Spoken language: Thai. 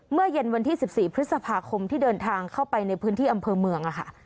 เมื่อเย็นวันที่๑๔พฤษภาคมที่เดินทางเข้าไปในพื้นที่อำเภอเมืองค่ะ